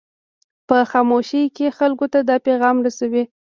په خاموشۍ کې خلکو ته دا پیغام رسوي.